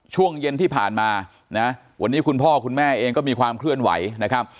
ช่วงเย็นที่ผ่านมานะวันนี้คุณพ่อคุณแม่เองก็มีความเคลื่อนไหวนะครับ